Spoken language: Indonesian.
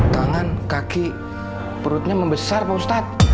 tangan kaki perutnya membesar pak ustadz